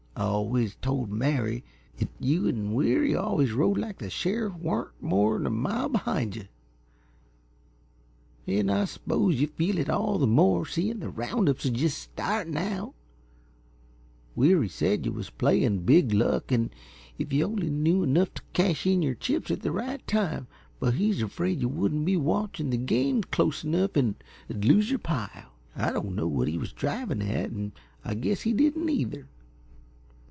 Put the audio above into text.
I always told Mary 't you'n Weary always rode like the sheriff wa'nt more'n a mile b'hind yuh. An' I s'pose you feel it all the more, seein' the round up's jest startin' out. Weary said yuh was playin' big luck, if yuh only knew enough t' cash in yer chips at the right time, but he's afraid yuh wouldn't be watching the game close enough an' ud lose yer pile. I don't know what he was drivin' at, an' I guess he didn't neither.